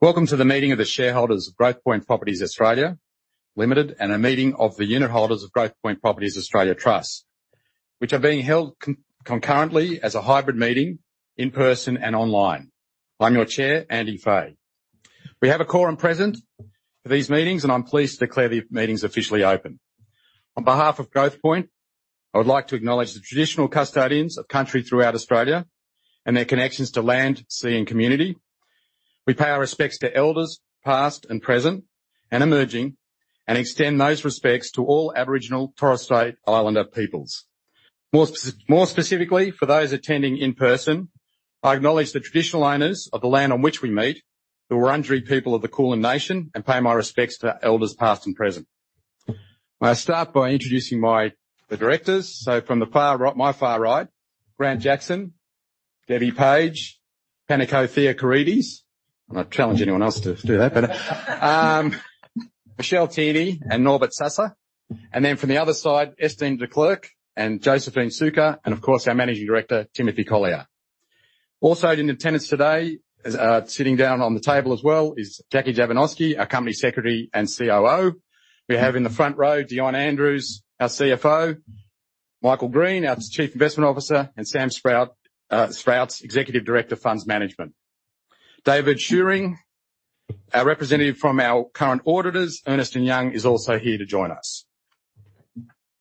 Welcome to the meeting of the shareholders of Growthpoint Properties Australia Limited, and a meeting of the unit holders of Growthpoint Properties Australia Trust, which are being held concurrently as a hybrid meeting in person and online. I'm your chair, Andy Fay. We have a quorum present for these meetings, and I'm pleased to declare the meetings officially open. On behalf of Growthpoint, I would like to acknowledge the traditional custodians of country throughout Australia and their connections to land, sea, and community. We pay our respects to elders, past and present, and emerging, and extend those respects to all Aboriginal Torres Strait Islander peoples. More specifically, for those attending in person, I acknowledge the traditional owners of the land on which we meet, the Wurundjeri people of the Kulin Nation, and pay my respects to elders, past and present. May I start by introducing the directors. So from the far right, my far right, Grant Jackson, Debbie Page, Panico Theocharides. I'm not challenge anyone else to do that, but Michelle Tierney, and Norbert Sasse. And then from the other side, Estelle de Klerk and Josephine Sukkar, and of course, our Managing Director, Timothy Collyer. Also in attendance today, sitting down on the table as well, is Jacquee Jovanovski, our company secretary and COO. We have in the front row, Dion Andrews, our CFO, Michael Green, our Chief Investment Officer, and Sam Sproats, Executive Director of Funds Management. David Shearing, our representative from our current auditors, Ernst & Young, is also here to join us.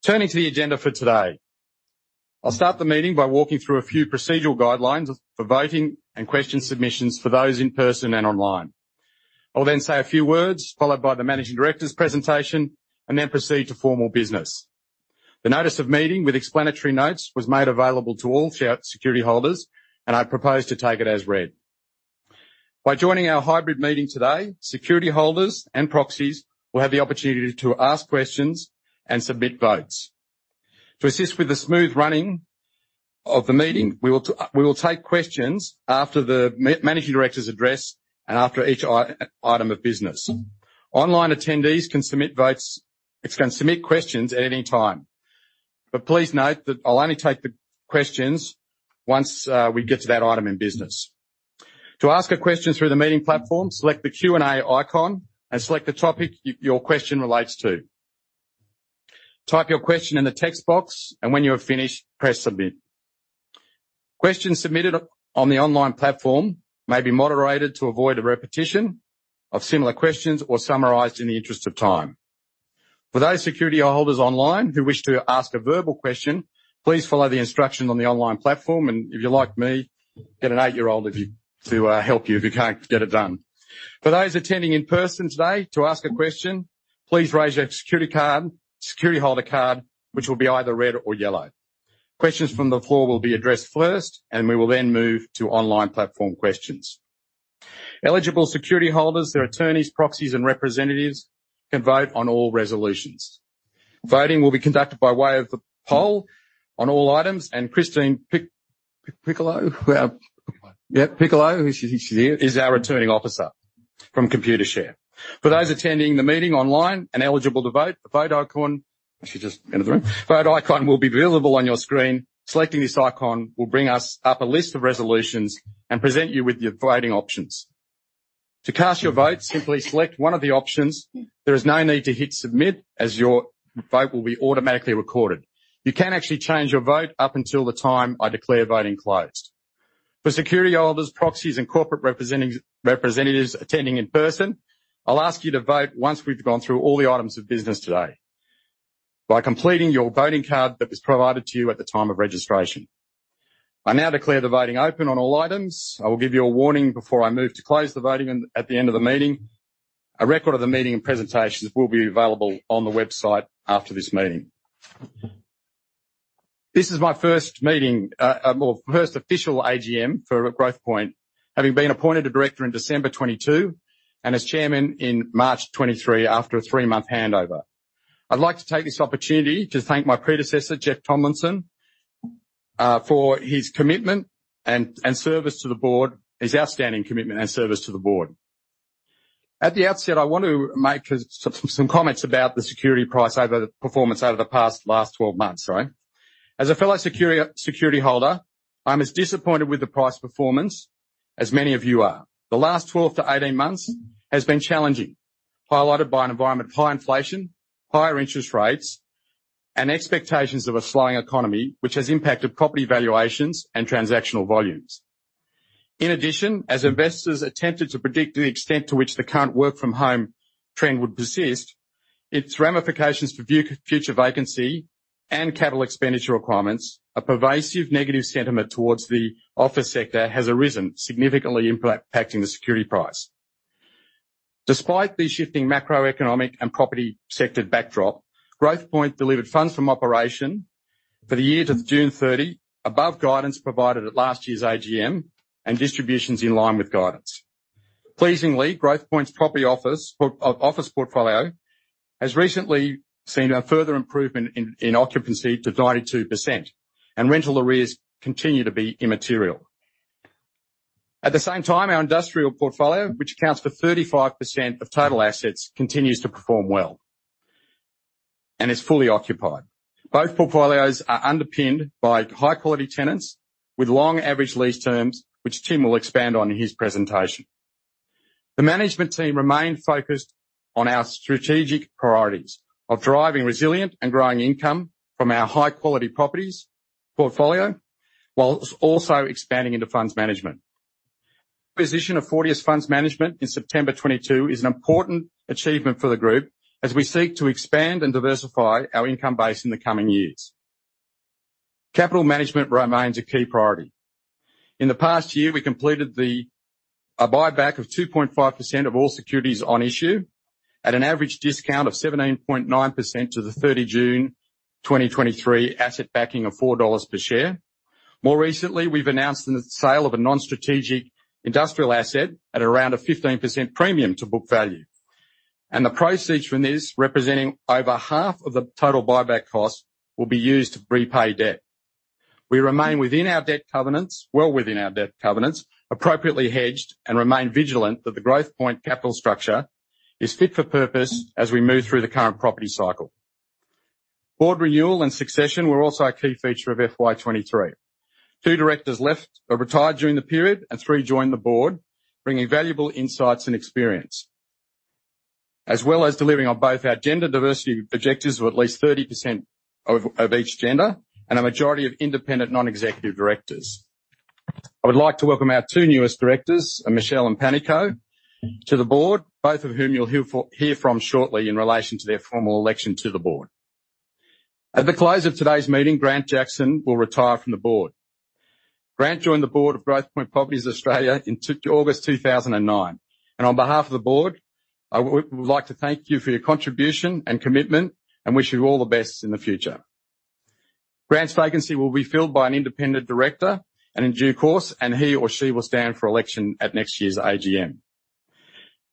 Turning to the agenda for today, I'll start the meeting by walking through a few procedural guidelines for voting and question submissions for those in person and online. I'll then say a few words, followed by the Managing Director's presentation, and then proceed to formal business. The notice of meeting with explanatory notes was made available to all security holders, and I propose to take it as read. By joining our hybrid meeting today, security holders and proxies will have the opportunity to ask questions and submit votes. To assist with the smooth running of the meeting, we will take questions after the Managing Director's address and after each item of business. Online attendees can submit questions at any time, but please note that I'll only take the questions once we get to that item in business. To ask a question through the meeting platform, select the Q&A icon and select the topic your question relates to. Type your question in the text box, and when you are finished, press Submit. Questions submitted on the online platform may be moderated to avoid a repetition of similar questions or summarized in the interest of time. For those security holders online who wish to ask a verbal question, please follow the instructions on the online platform, and if you're like me, get an eight-year-old to help you if you can't get it done. For those attending in person today, to ask a question, please raise your security card, security holder card, which will be either red or yellow. Questions from the floor will be addressed first, and we will then move to online platform questions. Eligible security holders, their attorneys, proxies, and representatives can vote on all resolutions. Voting will be conducted by way of the poll on all items, and Christine Piccolo, our... Piccolo. Yeah, Piccolo, she, she's here, is our returning officer from Computershare. For those attending the meeting online and eligible to vote, the vote icon. She just entered the room. Vote icon will be available on your screen. Selecting this icon will bring us up a list of resolutions and present you with your voting options. To cast your vote, simply select one of the options. There is no need to hit Submit, as your vote will be automatically recorded. You can actually change your vote up until the time I declare voting closed. For security holders, proxies, and corporate representatives attending in person, I'll ask you to vote once we've gone through all the items of business today by completing your voting card that was provided to you at the time of registration. I now declare the voting open on all items. I will give you a warning before I move to close the voting and at the end of the meeting. A record of the meeting and presentations will be available on the website after this meeting. This is my first meeting, or first official AGM for Growthpoint, having been appointed a director in December 2022 and as chairman in March 2023 after a 3-month handover. I'd like to take this opportunity to thank my predecessor, Geoff Tomlinson, for his commitment and service to the board, his outstanding commitment and service to the board. At the outset, I want to make some comments about the security price over the performance over the past 12 months, sorry. As a fellow security holder, I'm as disappointed with the price performance as many of you are. The last 12-18 months has been challenging, highlighted by an environment of high inflation, higher interest rates, and expectations of a slowing economy, which has impacted property valuations and transactional volumes. In addition, as investors attempted to predict the extent to which the current work from home trend would persist, its ramifications for future vacancy and capital expenditure requirements, a pervasive negative sentiment towards the office sector has arisen, significantly impacting the security price. Despite the shifting macroeconomic and property sector backdrop, Growthpoint delivered funds from operations for the year to June 30 above guidance provided at last year's AGM and distributions in line with guidance. Pleasingly, Growthpoint's office portfolio has recently seen a further improvement in occupancy to 92%, and rental arrears continue to be immaterial. At the same time, our industrial portfolio, which accounts for 35% of total assets, continues to perform well and is fully occupied. Both portfolios are underpinned by high-quality tenants with long average lease terms, which Tim will expand on in his presentation. The management team remained focused on our strategic priorities of driving resilient and growing income from our high-quality properties portfolio, while also expanding into funds management. Acquisition of Fortius Funds Management in September 2022 is an important achievement for the group as we seek to expand and diversify our income base in the coming years. Capital management remains a key priority. In the past year, we completed a buyback of 2.5% of all securities on issue at an average discount of 17.9% to the 30 June 2023 asset backing of 4 dollars per share. More recently, we've announced the sale of a non-strategic industrial asset at around a 15% premium to book value, and the proceeds from this, representing over half of the total buyback cost, will be used to repay debt. We remain within our debt covenants, well within our debt covenants, appropriately hedged, and remain vigilant that the Growthpoint capital structure is fit for purpose as we move through the current property cycle. Board renewal and succession were also a key feature of FY 2023. Two directors left or retired during the period, and three joined the board, bringing valuable insights and experience, as well as delivering on both our gender diversity objectives of at least 30% of each gender and a majority of independent non-executive directors. I would like to welcome our two newest directors, Michelle Tierney and Panico Theocharides, to the board, both of whom you'll hear from shortly in relation to their formal election to the board. At the close of today's meeting, Grant Jackson will retire from the board. Grant joined the board of Growthpoint Properties Australia in August 2009, and on behalf of the board, I would like to thank you for your contribution and commitment and wish you all the best in the future. Grant's vacancy will be filled by an independent director, and in due course, and he or she will stand for election at next year's AGM.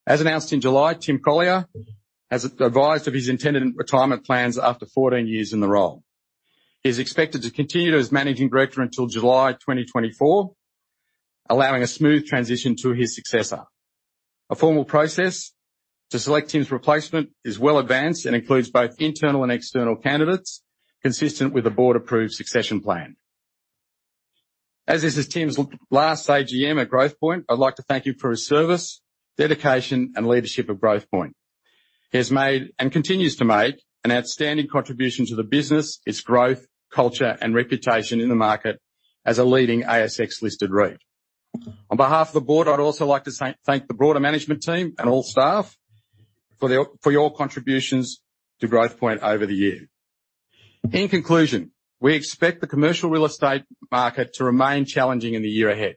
As announced in July, Timothy Collyer has advised of his intended retirement plans after 14 years in the role. He is expected to continue as managing director until July 2024, allowing a smooth transition to his successor. A formal process to select Tim's replacement is well advanced and includes both internal and external candidates, consistent with the board-approved succession plan. As this is Tim's last AGM at Growthpoint, I'd like to thank him for his service, dedication, and leadership of Growthpoint. He has made and continues to make an outstanding contribution to the business, its growth, culture, and reputation in the market as a leading ASX-listed REIT. On behalf of the board, I'd also like to thank the broader management team and all staff for your contributions to Growthpoint over the year. In conclusion, we expect the commercial real estate market to remain challenging in the year ahead,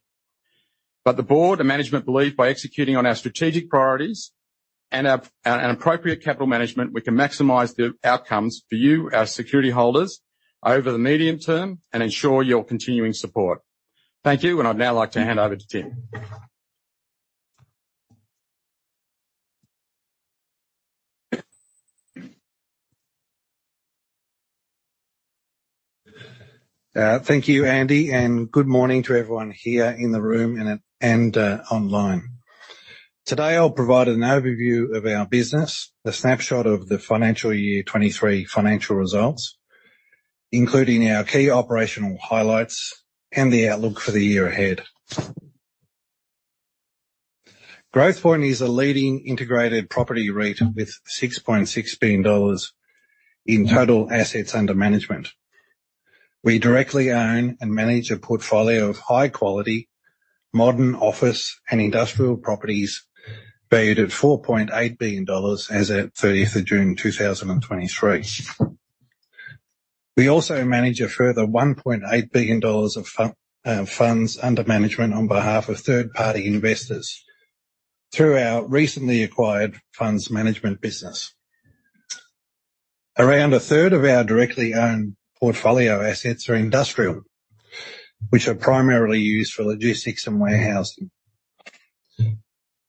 but the board and management believe by executing on our strategic priorities and appropriate capital management, we can maximize the outcomes for you, our security holders, over the medium term and ensure your continuing support. Thank you, and I'd now like to hand over to Tim. Thank you, Andy, and good morning to everyone here in the room and online. Today, I'll provide an overview of our business, a snapshot of the financial year 2023 financial results, including our key operational highlights and the outlook for the year ahead. Growthpoint is a leading integrated property REIT with 6.6 billion dollars in total assets under management. We directly own and manage a portfolio of high-quality, modern office and industrial properties valued at 4.8 billion dollars as at 30th of June 2023. We also manage a further 1.8 billion dollars of funds under management on behalf of third-party investors through our recently acquired funds management business. Around a third of our directly owned portfolio assets are industrial, which are primarily used for logistics and warehousing.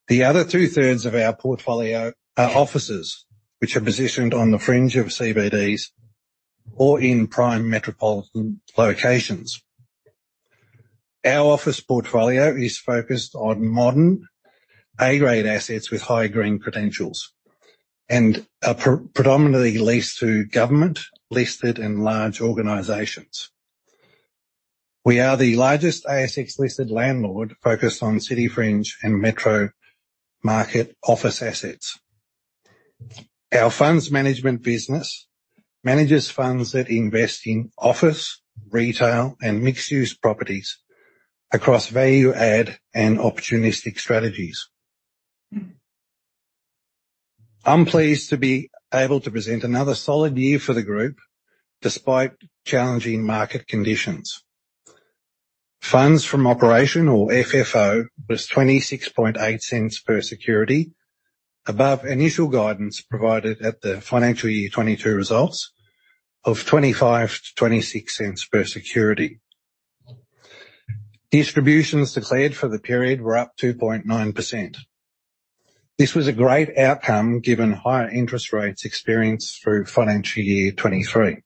The other two-thirds of our portfolio are offices, which are positioned on the fringe of CBDs or in prime metropolitan locations. Our office portfolio is focused on modern A-grade assets with high green credentials and are predominantly leased to government, listed, and large organizations. We are the largest ASX-listed landlord focused on city fringe and metro market office assets. Our funds management business manages funds that invest in office, retail, and mixed-use properties across value add and opportunistic strategies. I'm pleased to be able to present another solid year for the group despite challenging market conditions. Funds from operations, or FFO, was 0.268 per security, above initial guidance provided at the financial year 2022 results of 0.25-0.26 per security. Distributions declared for the period were up 2.9%. This was a great outcome, given higher interest rates experienced through financial year 2023.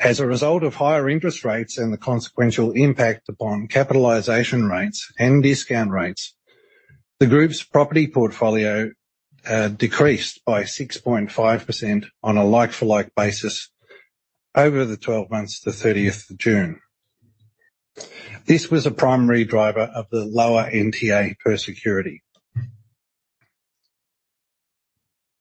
As a result of higher interest rates and the consequential impact upon capitalization rates and discount rates, the group's property portfolio decreased by 6.5% on a like-for-like basis over the twelve months to the thirtieth of June. This was a primary driver of the lower NTA per security.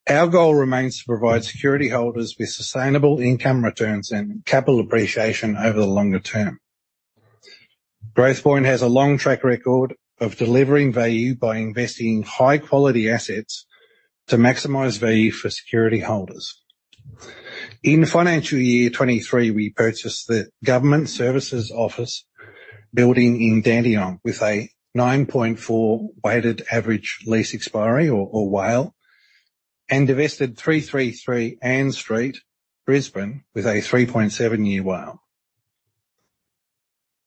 Our goal remains to provide security holders with sustainable income returns and capital appreciation over the longer term. Growthpoint has a long track record of delivering value by investing in high-quality assets to maximize value for security holders. In financial year 2023, we purchased the Government Services Office building in Dandenong with a 9.4 weighted average lease expiry, or WALE, and divested 333 Ann Street, Brisbane, with a 3.7-year WALE.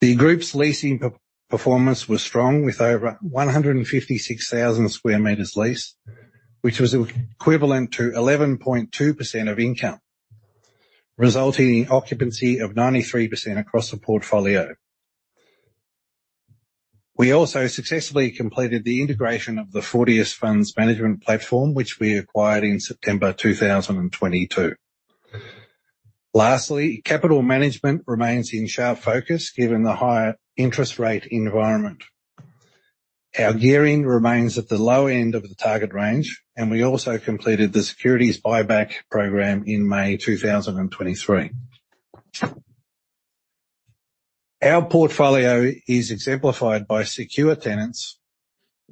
The group's leasing per-performance was strong, with over 156,000 square meters leased, which was equivalent to 11.2% of income, resulting in occupancy of 93% across the portfolio. We also successfully completed the integration of the Fortius Funds Management platform, which we acquired in September 2022. Lastly, capital management remains in sharp focus, given the higher interest rate environment. Our gearing remains at the low end of the target range, and we also completed the securities buyback program in May 2023. Our portfolio is exemplified by secure tenants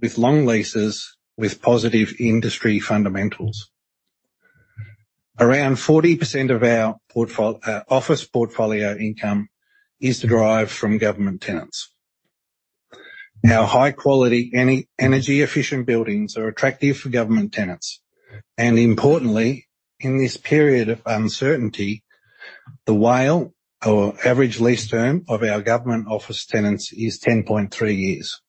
with long leases, with positive industry fundamentals. Around 40% of our office portfolio income is derived from government tenants. Our high quality, energy efficient buildings are attractive for government tenants, and importantly, in this period of uncertainty, the WALE or average lease term of our government office tenants is 10.3 years.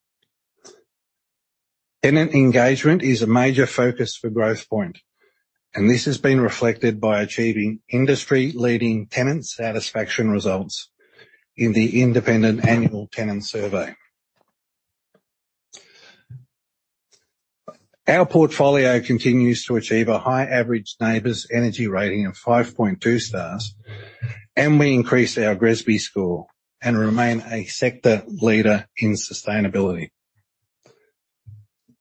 Tenant engagement is a major focus for Growthpoint, and this has been reflected by achieving industry-leading tenant satisfaction results in the independent annual tenant survey. Our portfolio continues to achieve a high average NABERS energy rating of 5.2 stars, and we increased our GRESB score and remain a sector leader in sustainability.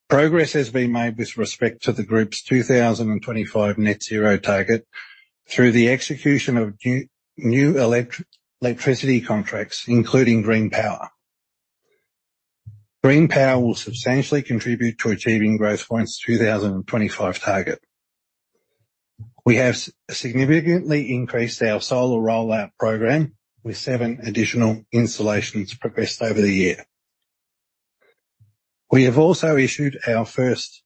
Progress has been made with respect to the group's 2025 net zero target through the execution of new electricity contracts, including green power. Green power will substantially contribute to achieving Growthpoint's 2025 target. We have significantly increased our solar rollout program, with seven additional installations progressed over the year. We have also issued our first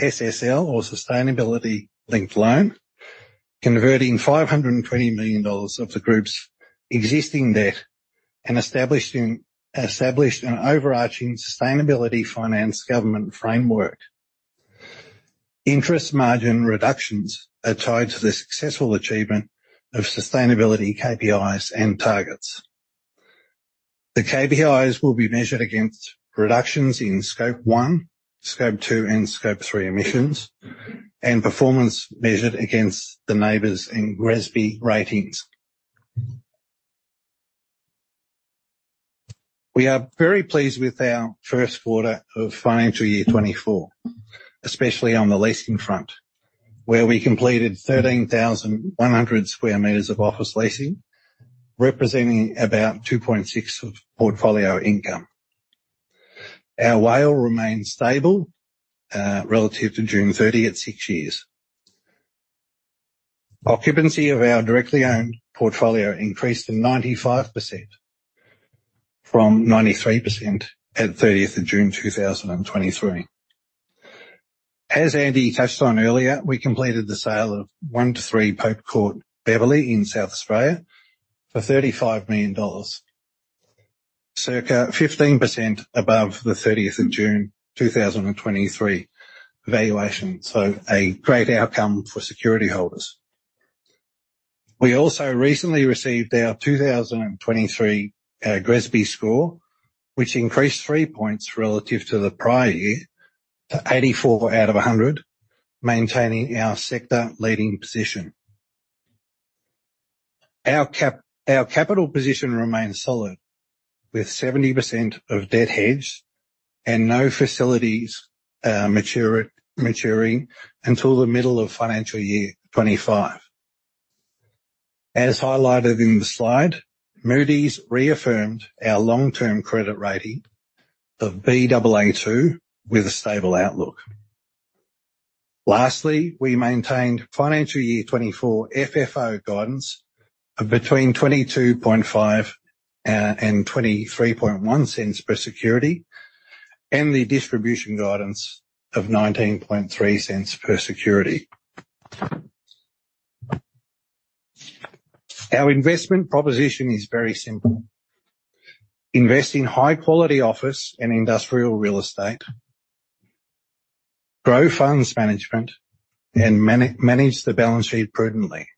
SLL, or sustainability linked loan, converting 520 million dollars of the group's existing debt and establishing, established an overarching sustainability finance governance framework. Interest margin reductions are tied to the successful achievement of sustainability KPIs and targets. The KPIs will be measured against reductions in Scope 1, Scope 2, and Scope 3 emissions, and performance measured against the NABERS and GRESB ratings. We are very pleased with our first quarter of financial year 2024, especially on the leasing front, where we completed 13,100 square meters of office leasing, representing about 2.6% of portfolio income. Our WALE remains stable, relative to June 30, six years. Occupancy of our directly owned portfolio increased to 95% from 93% at 30th of June 2023. As Andy touched on earlier, we completed the sale of one-three Pope Court, Beverley in South Australia, for 35 million dollars, circa 15% above the 30th of June 2023 valuation. So a great outcome for security holders. We also recently received our 2023 GRESB score, which increased three points relative to the prior year, to 84 out of 100, maintaining our sector leading position. Our capital position remains solid, with 70% of debt hedged and no facilities maturing until the middle of financial year 2025. As highlighted in the slide, Moody's reaffirmed our long-term credit rating of Baa2 with a stable outlook. Lastly, we maintained financial year 2024 FFO guidance of between 0.225 and 0.231 per security, and the distribution guidance of 0.193 per security. Our investment proposition is very simple: invest in high quality office and industrial real estate, grow funds management, and manage the balance sheet prudently.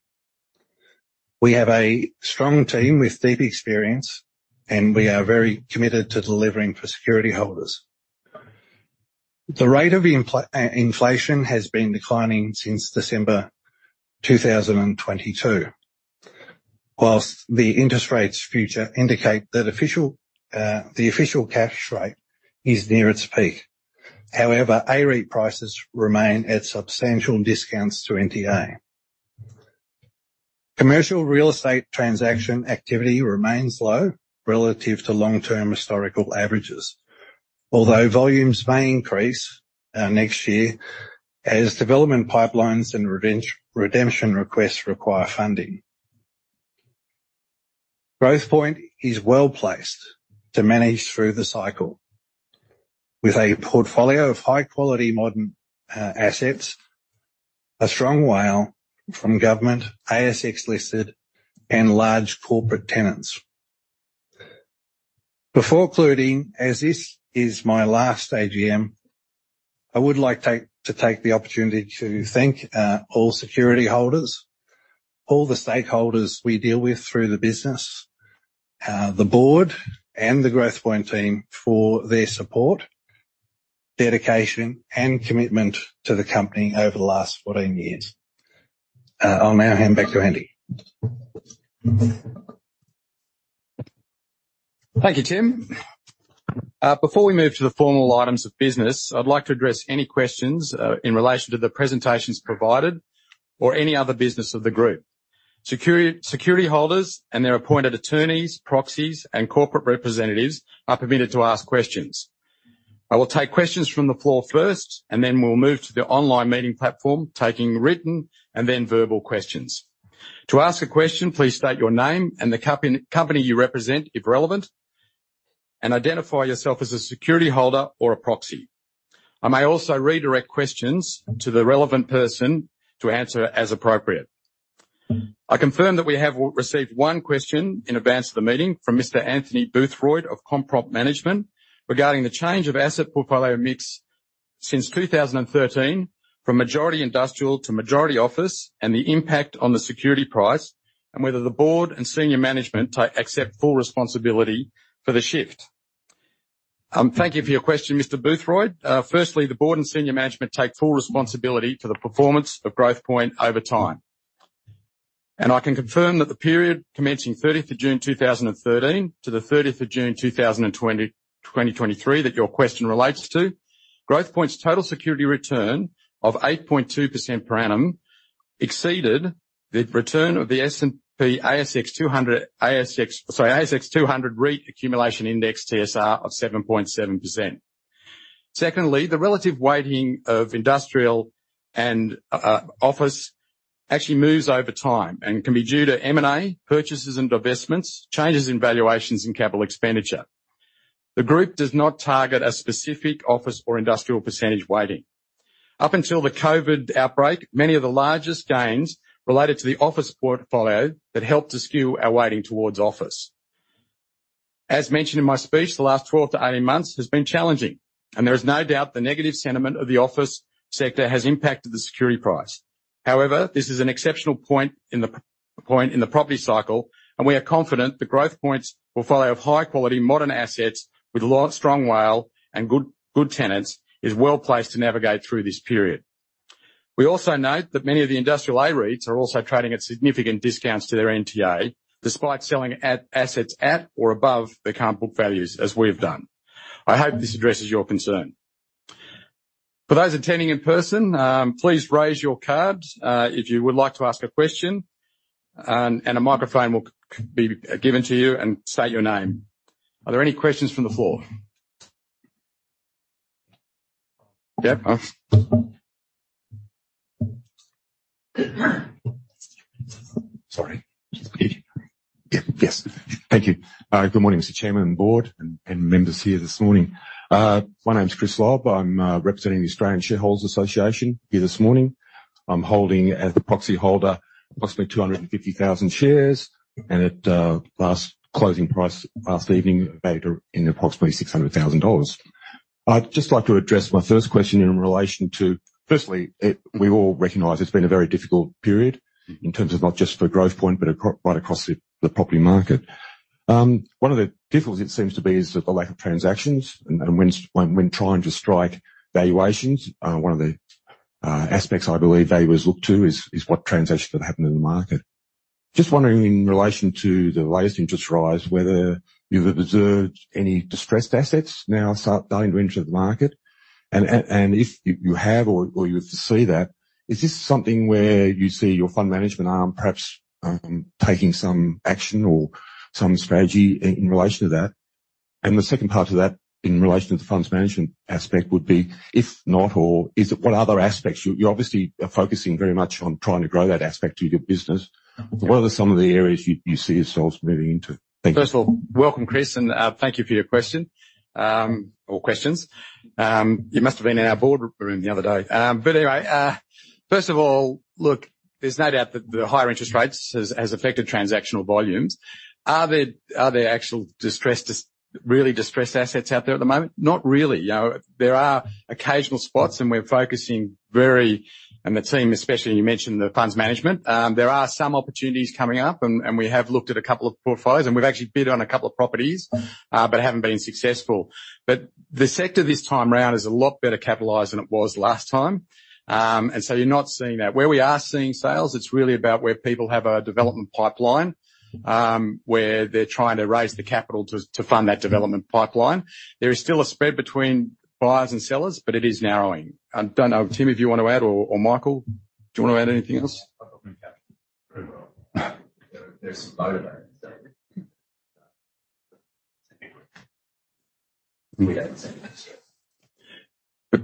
We have a strong team with deep experience, and we are very committed to delivering for security holders. The rate of inflation has been declining since December 2022. Whilst the interest rates future indicate that the official cash rate is near its peak. However, A-REIT prices remain at substantial discounts to NTA. Commercial real estate transaction activity remains low relative to long-term historical averages. Although volumes may increase next year, as development pipelines and redemption requests require funding. Growthpoint is well-placed to manage through the cycle, with a portfolio of high-quality, modern assets, a strong WALE from government, ASX listed, and large corporate tenants. Before concluding, as this is my last AGM, I would like to take the opportunity to thank all security holders, all the stakeholders we deal with through the business, the board, and the Growthpoint team for their support, dedication, and commitment to the company over the last 14 years. I'll now hand back to Andy. Thank you, Tim. Before we move to the formal items of business, I'd like to address any questions in relation to the presentations provided or any other business of the group. Security holders and their appointed attorneys, proxies, and corporate representatives are permitted to ask questions. I will take questions from the floor first, and then we'll move to the online meeting platform, taking written and then verbal questions. To ask a question, please state your name and the company you represent, if relevant, and identify yourself as a security holder or a proxy. I may also redirect questions to the relevant person to answer as appropriate. I confirm that we have received one question in advance of the meeting from Mr Anthony Boothroyd of Comprop Management, regarding the change of asset portfolio mix since 2013, from majority industrial to majority office, and the impact on the security price, and whether the board and senior management accept full responsibility for the shift. Thank you for your question, Mr Boothroyd. Firstly, the board and senior management take full responsibility for the performance of Growthpoint over time, and I can confirm that the period commencing 30th of June, 2013, to the 30th of June, 2023, that your question relates to, Growthpoint's total security return of 8.2% per annum exceeded the return of the S&P/ASX 200 REIT accumulation index TSR of 7.7%. Secondly, the relative weighting of industrial and office actually moves over time and can be due to M&A, purchases and divestments, changes in valuations and capital expenditure. The group does not target a specific office or industrial percentage weighting. Up until the COVID outbreak, many of the largest gains related to the office portfolio that helped to skew our weighting towards office. As mentioned in my speech, the last 12-18 months has been challenging, and there is no doubt the negative sentiment of the office sector has impacted the security price. However, this is an exceptional point in the property cycle, and we are confident that Growthpoint's portfolio of high-quality, modern assets with long-strong WALE and good, good tenants, is well-placed to navigate through this period. We also note that many of the industrial AREITs are also trading at significant discounts to their NTA, despite selling at assets at or above the current book values, as we've done. I hope this addresses your concern. For those attending in person, please raise your cards if you would like to ask a question, and a microphone will be given to you, and state your name. Are there any questions from the floor? Yeah. Sorry. Yeah. Yes. Thank you. Good morning, Mr. Chairman, and board, and members here this morning. My name's Chris Laub. I'm representing the Australian Shareholders Association here this morning. I'm holding, as the proxy holder, approximately 250,000 shares, and at last closing price last evening, valued at approximately 600,000 dollars. I'd just like to address my first question in relation to... Firstly, we all recognize it's been a very difficult period in terms of not just for Growthpoint, but right across the property market. One of the difficulties it seems to be is the lack of transactions, and when trying to strike valuations, one of the aspects I believe valuers look to is what transactions have happened in the market. Just wondering, in relation to the latest interest rise, whether you've observed any distressed assets now starting to enter the market? And, and if you have or you foresee that, is this something where you see your fund management arm perhaps taking some action or some strategy in relation to that? And the second part to that, in relation to the funds management aspect, would be, if not, or is it, what other aspects-- You obviously are focusing very much on trying to grow that aspect of your business. Mm-hmm. What are some of the areas you see yourselves moving into? Thank you. First of all, welcome, Chris, and, thank you for your question, or questions. You must have been in our board room the other day. But anyway, First of all, look, there's no doubt that the higher interest rates has, has affected transactional volumes. Are there actual distressed, really distressed assets out there at the moment? Not really. You know, there are occasional spots, and we're focusing very, and the team especially, you mentioned the funds management. There are some opportunities coming up, and we have looked at a couple of portfolios, and we've actually bid on a couple of properties, but haven't been successful. But the sector this time around is a lot better capitalized than it was last time. And so you're not seeing that. Where we are seeing sales, it's really about where people have a development pipeline, where they're trying to raise the capital to, to fund that development pipeline. There is still a spread between buyers and sellers, but it is narrowing. I don't know, Tim, if you want to add or, or Michael, do you want to add anything else? Very well. There's some motivation.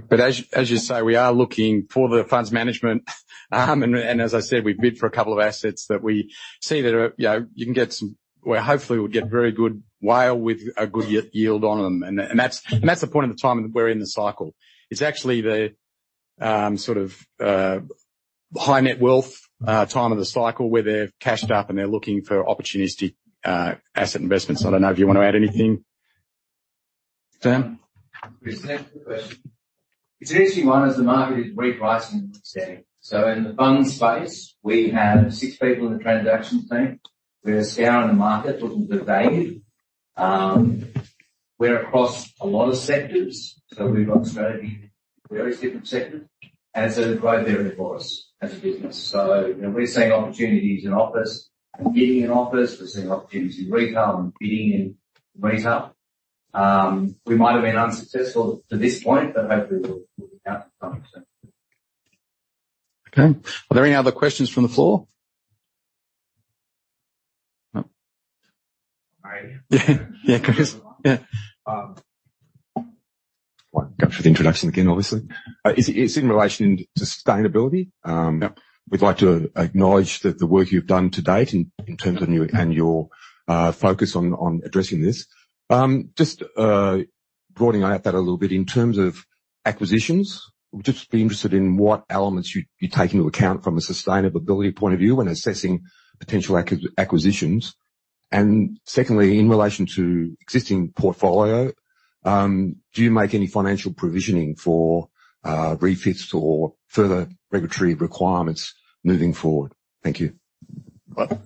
But as you say, we are looking for the funds management. And as I said, we've bid for a couple of assets that we see that are, you know, you can get some, where hopefully we'll get very good WALE with a good yield on them. And that's the point of the time that we're in the cycle. It's actually the sort of high net worth time of the cycle where they've cashed up, and they're looking for opportunistic asset investments. I don't know if you want to add anything, Sam? Thanks for the question. It's an easy one, as the market is repricing steady. So in the funds space, we have six people in the transactions team. We are scouring the market, looking for value. We're across a lot of sectors, so we've got strategy in various different sectors, and it's a growth area for us as a business. So, you know, we're seeing opportunities in office and getting in office. We're seeing opportunities in retail and bidding in retail. We might have been unsuccessful to this point, but hopefully we'll, we'll account for some. Okay. Are there any other questions from the floor? No. All right. Yeah, Chris. Yeah. Well, thanks for the introduction again, obviously. It's in relation to sustainability. Yep. We'd like to acknowledge the work you've done to date in terms of your annual focus on addressing this. Just broadening out that a little bit, in terms of acquisitions, we'd just be interested in what elements you'd take into account from a sustainability point of view when assessing potential acquisitions. And secondly, in relation to existing portfolio, do you make any financial provisioning for refits or further regulatory requirements moving forward? Thank you. Well,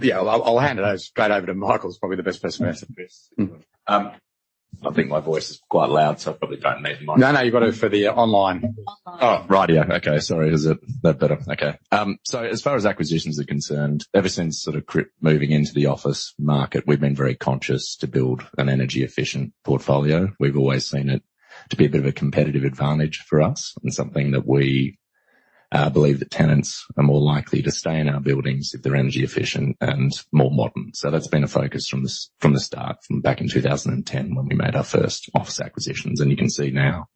yeah, I'll hand it over straight over to Michael. He's probably the best person to answer this. I think my voice is quite loud, so I probably don't need a mic. No, no, you've got it for the online. Oh, right. Yeah. Okay, sorry. Is it that better? Okay. So as far as acquisitions are concerned, ever since sort of Group moving into the office market, we've been very conscious to build an energy-efficient portfolio. We've always seen it to be a bit of a competitive advantage for us and something that we believe that tenants are more likely to stay in our buildings if they're energy efficient and more modern. So that's been a focus from the start, from back in 2010 when we made our first office acquisitions, and you can see now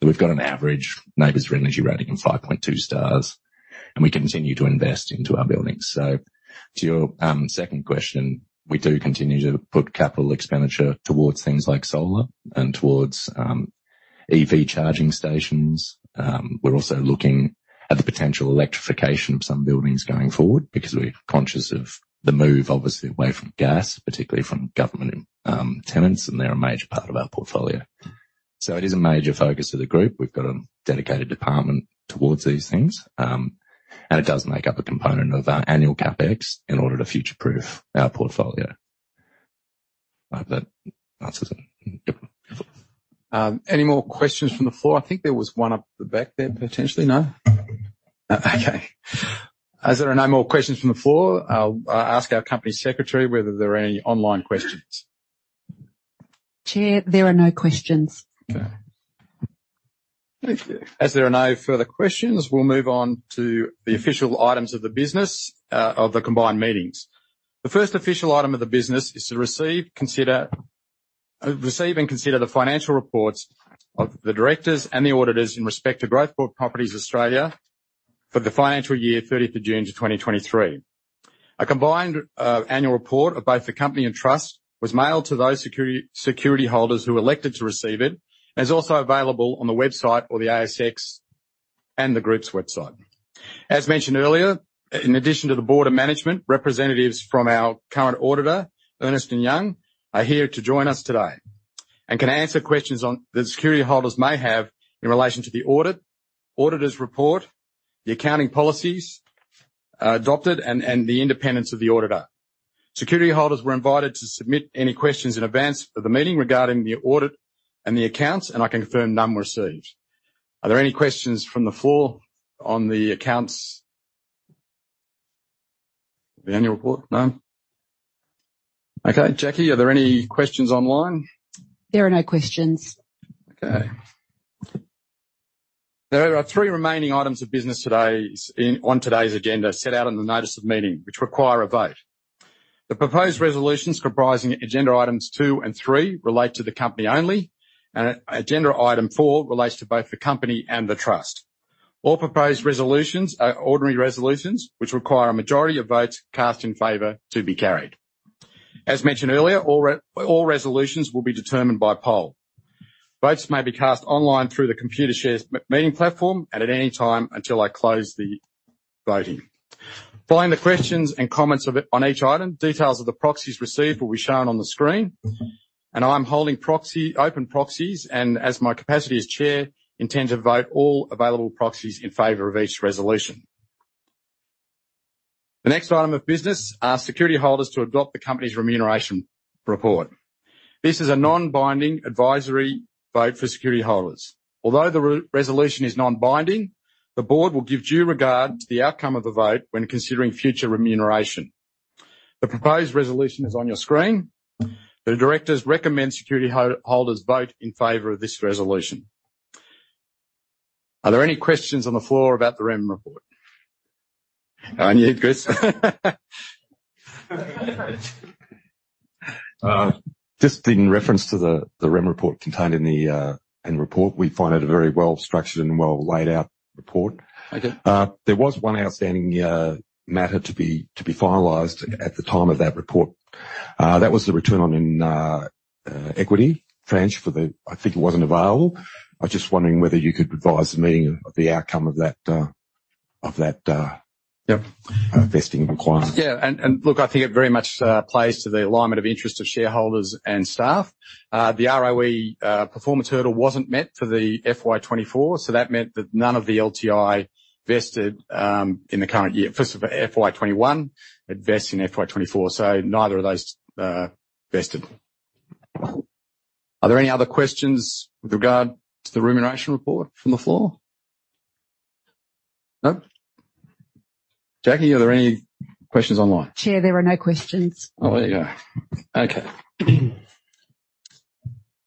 that we've got an average NABERS energy rating of 5.2 stars, and we continue to invest into our buildings. So to your second question, we do continue to put capital expenditure towards things like solar and towards EV charging stations. We're also looking at the potential electrification of some buildings going forward because we're conscious of the move, obviously, away from gas, particularly from government tenants, and they're a major part of our portfolio. So it is a major focus of the group. We've got a dedicated department towards these things. And it does make up a component of our annual CapEx in order to future-proof our portfolio. I hope that answers it. Yep. Any more questions from the floor? I think there was one up the back there, potentially. No? Okay. As there are no more questions from the floor, I'll ask our Company Secretary whether there are any online questions. Chair, there are no questions. Okay. Thank you. As there are no further questions, we'll move on to the official items of the business of the combined meetings. The first official item of the business is to receive and consider the financial reports of the directors and the auditors in respect to Growthpoint Properties Australia for the financial year, 30 June to 2023. A combined annual report of both the company and trust was mailed to those security holders who elected to receive it, and it's also available on the website or the ASX and the group's website. As mentioned earlier, in addition to the board of management, representatives from our current auditor, Ernst & Young, are here to join us today and can answer questions on... The security holders may have in relation to the audit, auditors' report, the accounting policies adopted, and the independence of the auditor. Security holders were invited to submit any questions in advance of the meeting regarding the audit and the accounts, and I can confirm none were received. Are there any questions from the floor on the accounts? The annual report? No. Okay. Jacquee, are there any questions online? There are no questions. Okay. There are 3 remaining items of business today on today's agenda, set out in the notice of meeting, which require a vote. The proposed resolutions comprising agenda items 2 and 3 relate to the company only, and agenda item 4 relates to both the company and the trust. All proposed resolutions are ordinary resolutions, which require a majority of votes cast in favor to be carried. As mentioned earlier, all resolutions will be determined by poll. Votes may be cast online through the Computershare Meeting platform, and at any time until I close the voting. Following the questions and comments on each item, details of the proxies received will be shown on the screen, and I'm holding open proxies, and in my capacity as chair, intend to vote all available proxies in favor of each resolution. The next item of business asks security holders to adopt the company's remuneration report. This is a non-binding advisory vote for security holders. Although the resolution is non-binding, the board will give due regard to the outcome of the vote when considering future remuneration. The proposed resolution is on your screen. The directors recommend security holders vote in favor of this resolution. Are there any questions on the floor about the remuneration report? Andy, you good? Just in reference to the remuneration report contained in the annual report, we find it a very well-structured and well-laid-out report. Okay. There was one outstanding matter to be finalized at the time of that report. That was the return on equity, ROE for the... I think it wasn't available. I was just wondering whether you could advise the meeting of the outcome of that. Yep. Vesting requirement. Yeah, and, and look, I think it very much plays to the alignment of interest of shareholders and staff. The ROE performance hurdle wasn't met for the FY 2024, so that meant that none of the LTI vested in the current year. First of FY 2021, it vests in FY 2024, so neither of those vested. Are there any other questions with regard to the remuneration report from the floor? No? Jacquee, are there any questions online? Chair, there are no questions. Oh, there you go. Okay.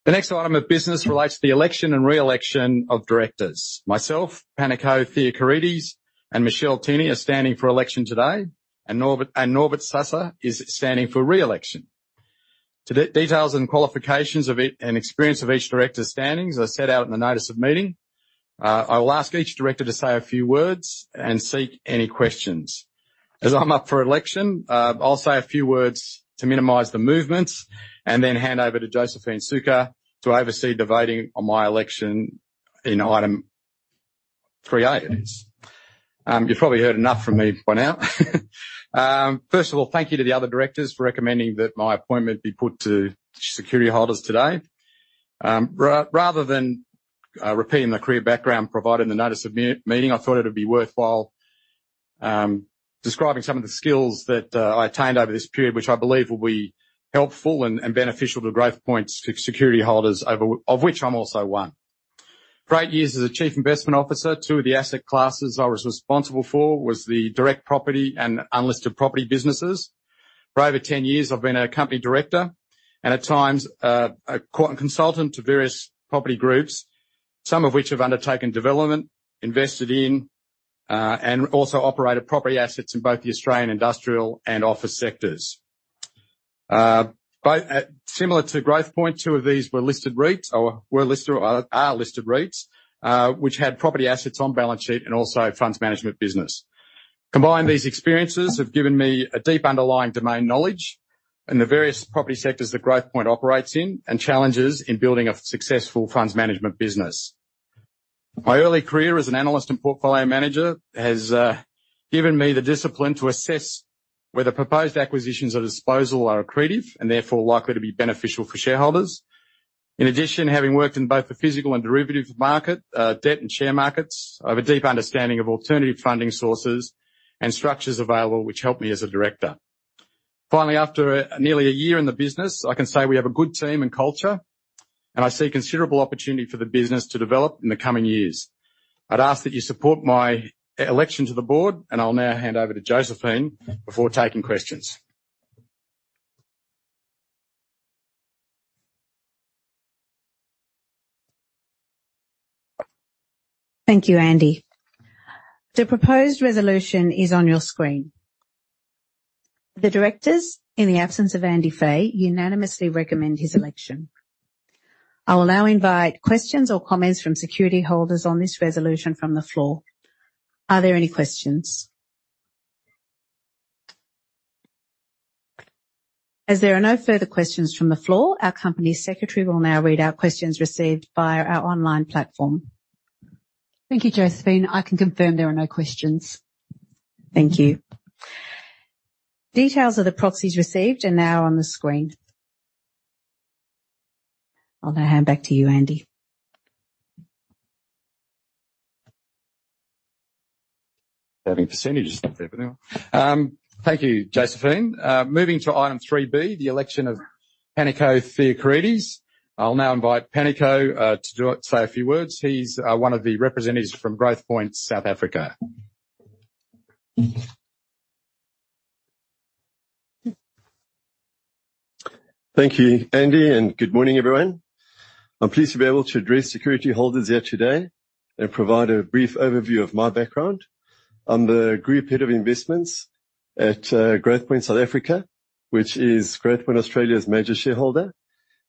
The next item of business relates to the election and re-election of directors. Myself, Panico Theocharides, and Michelle Tierney are standing for election today, and Norbert, and Norbert Sasse is standing for re-election. Details and qualifications and experience of each director's standings are set out in the notice of meeting. I will ask each director to say a few words and seek any questions. As I'm up for election, I'll say a few words to minimize the movements, and then hand over to Josephine Sukkar to oversee the voting on my election in item 3A. You've probably heard enough from me by now. First of all, thank you to the other directors for recommending that my appointment be put to security holders today. Rather than repeating my career background provided in the notice of meeting, I thought it would be worthwhile describing some of the skills that I attained over this period, which I believe will be helpful and beneficial to Growthpoint's security holders, of which I'm also one. For eight years as a chief investment officer, two of the asset classes I was responsible for was the direct property and unlisted property businesses. For over ten years, I've been a company director and at times, a consultant to various property groups, some of which have undertaken development, invested in, and also operated property assets in both the Australian industrial and office sectors. Similar to Growthpoint, two of these were listed REITs or were listed, are listed REITs, which had property assets on balance sheet and also funds management business. Combined, these experiences have given me a deep underlying domain knowledge in the various property sectors that Growthpoint operates in and challenges in building a successful funds management business. My early career as an analyst and portfolio manager has given me the discipline to assess whether proposed acquisitions or disposal are accretive and therefore likely to be beneficial for shareholders. In addition, having worked in both the physical and derivative market, debt and share markets, I have a deep understanding of alternative funding sources and structures available, which help me as a director. Finally, after nearly a year in the business, I can say we have a good team and culture, and I see considerable opportunity for the business to develop in the coming years. I'd ask that you support my re-election to the board, and I'll now hand over to Josephine before taking questions. Thank you, Andy. The proposed resolution is on your screen. The directors, in the absence of Andy Fay, unanimously recommend his election. I will now invite questions or comments from security holders on this resolution from the floor. Are there any questions? As there are no further questions from the floor, our company secretary will now read out questions received via our online platform. Thank you, Josephine. I can confirm there are no questions. Thank you. Details of the proxies received are now on the screen. I'll now hand back to you, Andy. Having percentages up there, but anyway. Thank you, Josephine. Moving to item 3B, the election of Panico Theocharides. I'll now invite Panico to do it, say a few words. He's one of the representatives from Growthpoint South Africa. Thank you, Andy, and good morning, everyone. I'm pleased to be able to address security holders here today and provide a brief overview of my background. I'm the group head of investments at Growthpoint South Africa, which is Growthpoint Australia's major shareholder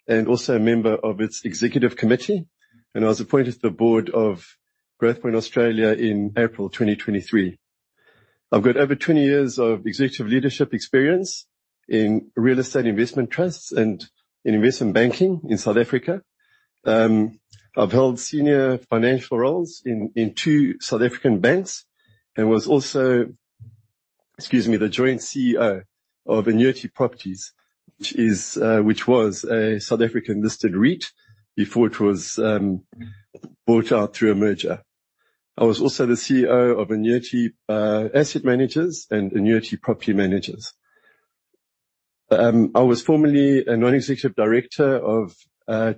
and also a member of its executive committee, and I was appointed to the board of Growthpoint Australia in April 2023. I've got over 20 years of executive leadership experience in real estate investment trusts and in investment banking in South Africa. I've held senior financial roles in two South African banks and was also, excuse me, the Joint CEO of Annuity Properties, which was a South African-listed REIT before it was bought out through a merger. I was also the CEO of Annuity Asset Managers and Annuity Property Managers. I was formerly a Non-Executive Director of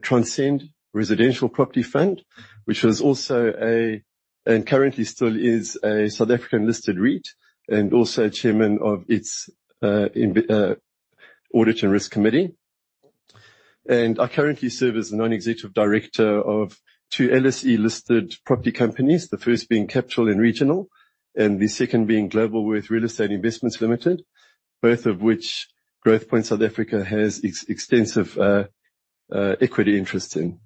Transcend Residential Property Fund, which was also, and currently still is, a South African-listed REIT, and also Chairman of its Audit and Risk Committee. I currently serve as the non-executive director of two LSE-listed property companies, the first being Capital & Regional, and the second being Globalworth Real Estate Investments Limited, both of which Growthpoint South Africa has extensive equity interest in.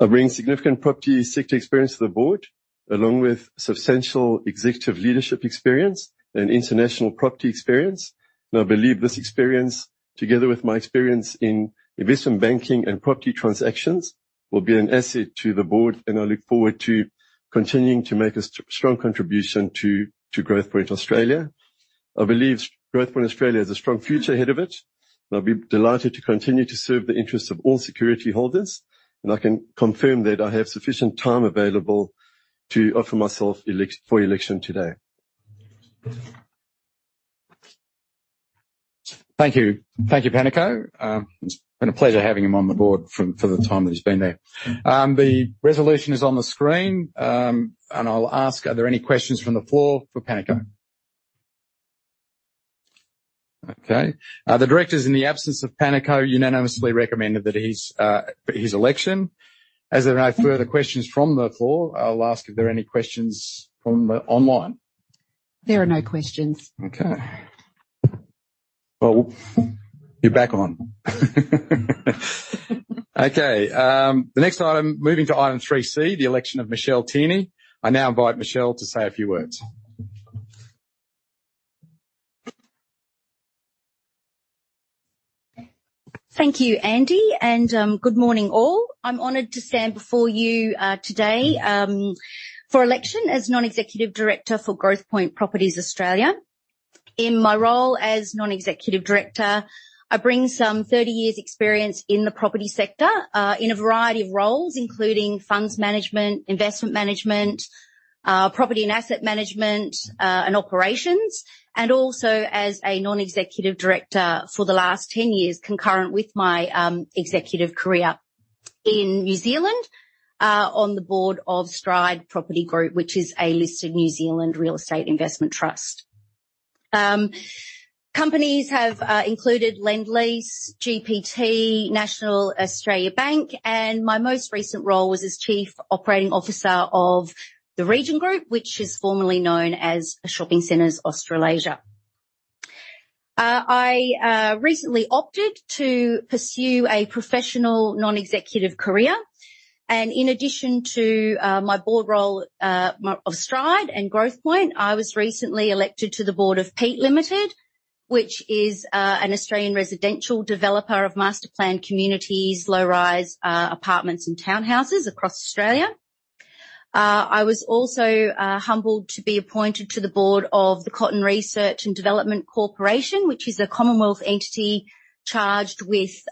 I bring significant property sector experience to the board, along with substantial executive leadership experience and international property experience. I believe this experience, together with my experience in investment banking and property transactions, will be an asset to the board, and I look forward to continuing to make a strong contribution to Growthpoint Australia. I believe Growthpoint Australia has a strong future ahead of it, and I'll be delighted to continue to serve the interests of all security holders, and I can confirm that I have sufficient time available to offer myself for election today. Thank you. Thank you, Panico. It's been a pleasure having him on the board from, for the time that he's been there. The resolution is on the screen, and I'll ask, are there any questions from the floor for Panico? Okay, the directors, in the absence of Panico, unanimously recommended that he's, his election. As there are no further questions from the floor, I'll ask if there are any questions from, online. There are no questions. Okay. Well, you're back on. Okay, the next item, moving to Item 3C, the election of Michelle Tierney. I now invite Michelle to say a few words. Thank you, Andy, and good morning, all. I'm honored to stand before you, today, for election as non-executive director for Growthpoint Properties Australia. In my role as non-executive director, I bring some 30 years experience in the property sector, in a variety of roles, including funds management, investment management, property and asset management, and operations, and also as a non-executive director for the last 10 years, concurrent with my executive career in New Zealand, on the board of Stride Property Group, which is a listed New Zealand real estate investment trust. Companies have included Lendlease, GPT, National Australia Bank, and my most recent role was as Chief Operating Officer of The Region Group, which is formerly known as Shopping Centres Australasia. I recently opted to pursue a professional non-executive career, and in addition to my board role of Stride and Growthpoint, I was recently elected to the board of Peet Limited, which is an Australian residential developer of master-planned communities, low-rise apartments, and townhouses across Australia. I was also humbled to be appointed to the board of the Cotton Research and Development Corporation, which is a Commonwealth entity charged with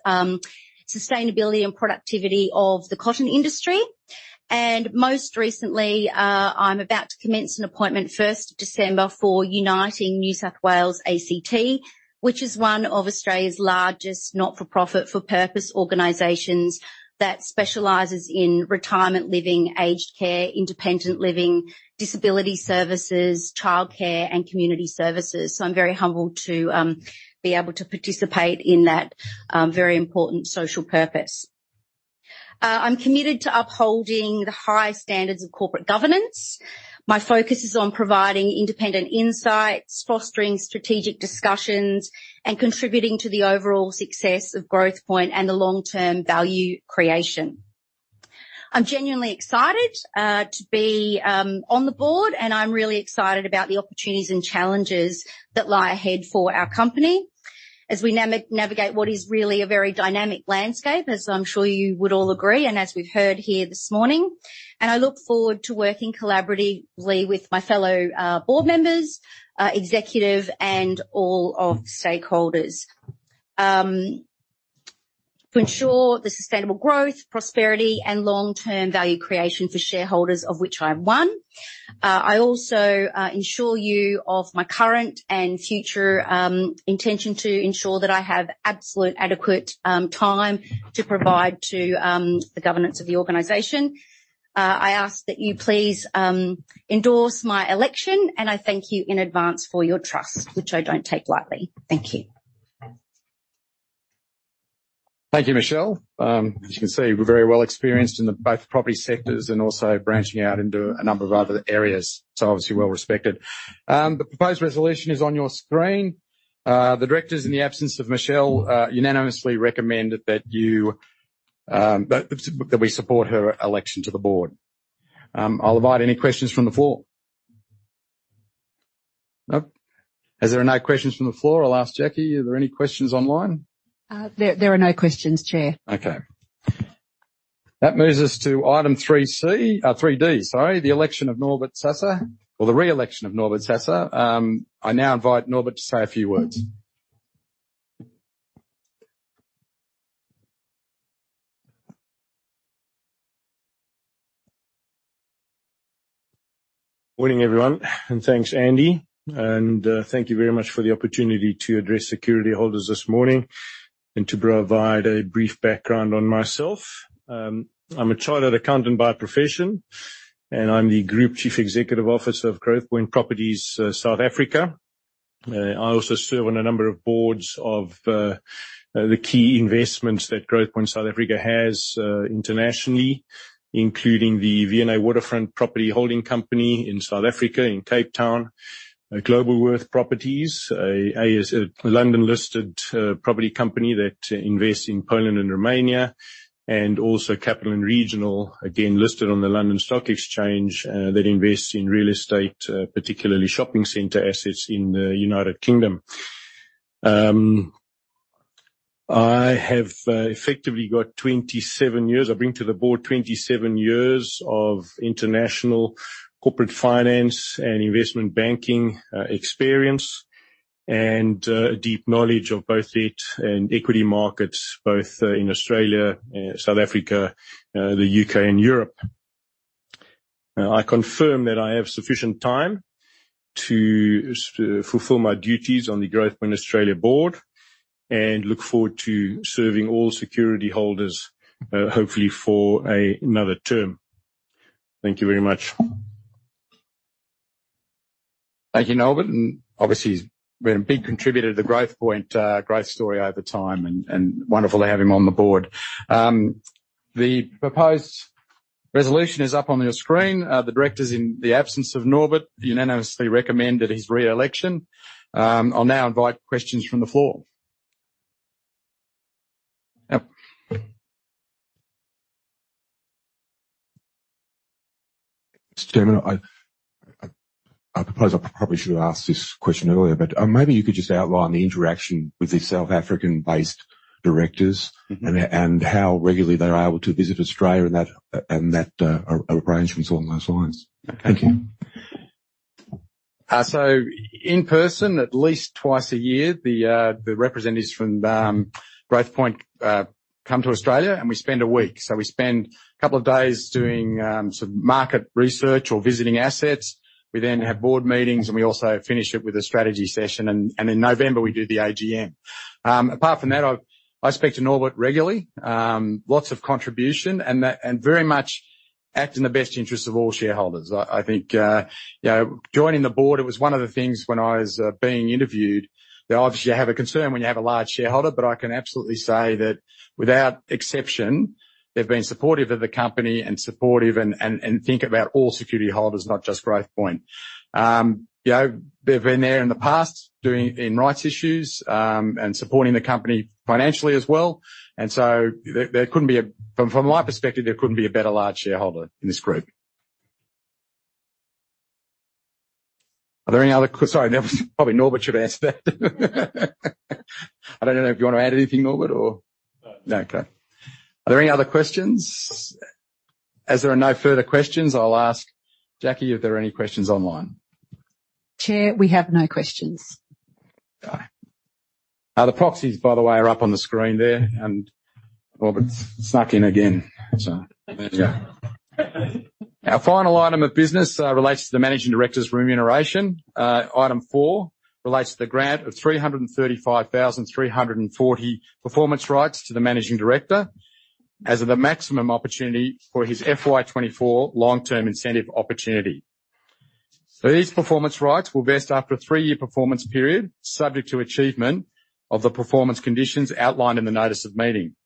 sustainability and productivity of the cotton industry. And most recently, I'm about to commence an appointment first of December for Uniting New South Wales ACT, which is one of Australia's largest not-for-profit, for-purpose organizations that specializes in retirement living, aged care, independent living, disability services, childcare, and community services. So I'm very humbled to be able to participate in that very important social purpose. I'm committed to upholding the high standards of corporate governance. My focus is on providing independent insights, fostering strategic discussions, and contributing to the overall success of Growthpoint and the long-term value creation. I'm genuinely excited to be on the board, and I'm really excited about the opportunities and challenges that lie ahead for our company as we navigate what is really a very dynamic landscape, as I'm sure you would all agree, and as we've heard here this morning. I look forward to working collaboratively with my fellow board members, executive, and all of the stakeholders to ensure the sustainable growth, prosperity, and long-term value creation for shareholders, of which I am one. I also ensure you of my current and future intention to ensure that I have absolute adequate time to provide to the governance of the organization. I ask that you please endorse my election, and I thank you in advance for your trust, which I don't take lightly. Thank you. Thank you, Michelle. As you can see, we're very well experienced in the both property sectors and also branching out into a number of other areas, so obviously well-respected. The proposed resolution is on your screen. The directors, in the absence of Michelle, unanimously recommend that you, but that we support her election to the board. I'll invite any questions from the floor. Nope. As there are no questions from the floor, I'll ask Jacquee, are there any questions online? There are no questions, Chair. Okay. That moves us to item 3C, 3D, sorry, the election of Norbert Sasse, or the re-election of Norbert Sasse. I now invite Norbert to say a few words. Morning, everyone, and thanks, Andy. And, thank you very much for the opportunity to address security holders this morning, and to provide a brief background on myself. I'm a chartered accountant by profession, and I'm the Group Chief Executive Officer of Growthpoint Properties South Africa. I also serve on a number of boards of the key investments that Growthpoint South Africa has internationally, including the V&A Waterfront Property Holding Company in South Africa, in Cape Town; Globalworth Properties, a, is a London-listed property company that invests in Poland and Romania; and also Capital & Regional, again, listed on the London Stock Exchange, that invests in real estate, particularly shopping center assets in the United Kingdom. I have effectively got 27 years. I bring to the board 27 years of international corporate finance and investment banking, experience, and, a deep knowledge of both debt and equity markets, both, in Australia, South Africa, the U.K. and Europe. I confirm that I have sufficient time to fulfill my duties on the Growthpoint Australia board, and look forward to serving all security holders, hopefully for another term. Thank you very much. Thank you, Norbert, and obviously he's been a big contributor to the Growthpoint growth story over time and, and wonderful to have him on the board. The proposed resolution is up on your screen. The directors, in the absence of Norbert, unanimously recommend that his re-election. I'll now invite questions from the floor. Yep. Chairman, I suppose I probably should have asked this question earlier, but maybe you could just outline the interaction with the South African-based directors? Mm-hmm. and how regularly they're able to visit Australia and that, and arrangements along those lines. Thank you. So in person, at least twice a year, the representatives from Growthpoint come to Australia, and we spend a week. So we spend a couple of days doing some market research or visiting assets. We then have board meetings, and we also finish it with a strategy session, and in November, we do the AGM. Apart from that, I speak to Norbert regularly. Lots of contribution, and that very much acts in the best interest of all shareholders. I think, you know, joining the board, it was one of the things when I was being interviewed, that obviously you have a concern when you have a large shareholder, but I can absolutely say that without exception, they've been supportive of the company and supportive and think about all security holders, not just Growthpoint. You know, they've been there in the past, doing in rights issues, and supporting the company financially as well, and so there couldn't be a... From my perspective, there couldn't be a better large shareholder in this group. Are there any other que- Sorry, that was probably Norbert should have answered that. I don't know if you want to add anything, Norbert, or... No. No. Okay. Are there any other questions? As there are no further questions, I'll ask Jacquee if there are any questions online. Chair, we have no questions. Okay. The proxies, by the way, are up on the screen there, and Norbert's snuck in again, so there you go. Our final item of business relates to the Managing Director's remuneration. Item four relates to the grant of 335,340 performance rights to the Managing Director as of the maximum opportunity for his FY 2024 long-term incentive opportunity. So these performance rights will vest after a three-year performance period, subject to achievement of the performance conditions outlined in the notice of meeting.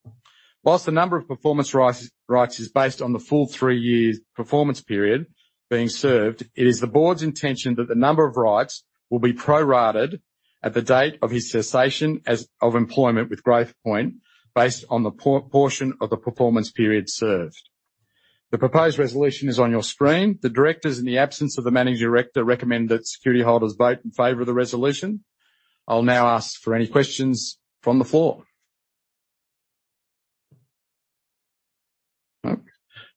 While the number of performance rights is based on the full three-year performance period being served, it is the Board's intention that the number of rights will be pro-rated at the date of his cessation as of employment with Growthpoint, based on the portion of the performance period served. The proposed resolution is on your screen. The directors, in the absence of the managing director, recommend that security holders vote in favor of the resolution. I'll now ask for any questions from the floor. Okay.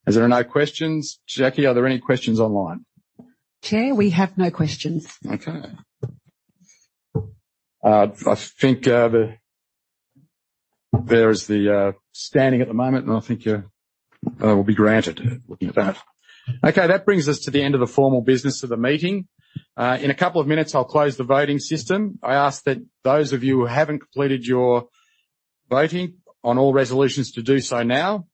As there are no questions, Jacquee, are there any questions online? Chair, we have no questions. Okay. I think, the, there is the, standing at the moment, and I think, will be granted, looking at that. Okay, that brings us to the end of the formal business of the meeting. In a couple of minutes, I'll close the voting system. I ask that those of you who haven't completed your voting on all resolutions to do so now.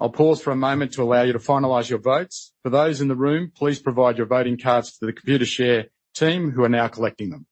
I'll pause for a moment to allow you to finalize your votes. For those in the room, please provide your voting cards to the Computershare team, who are now collecting them.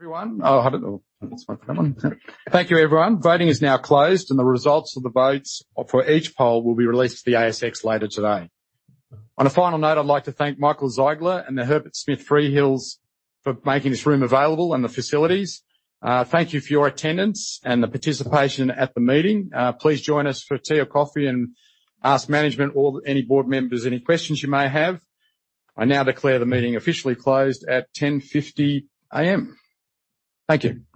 Everyone... Oh, hello. Thank you, everyone. Voting is now closed, and the results of the votes, for each poll will be released to the ASX later today. On a final note, I'd like to thank Michael Zeigelaar and the Herbert Smith Freehills for making this room available and the facilities. Thank you for your attendance and the participation at the meeting. Please join us for tea or coffee and ask management or any board members any questions you may have. I now declare the meeting officially closed at 10:50 A.M. Thank you.